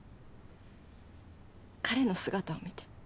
彼の姿を見て。